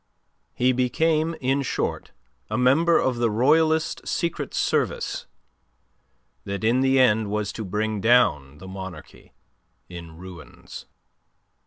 He became, in short, a member of the royalist secret service that in the end was to bring down the monarchy in ruins.